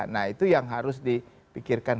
nah itu yang harus dipikirkan